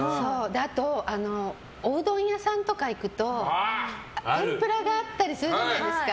あと、おうどん屋さんとかに行くと天ぷらがあったりするじゃないですか。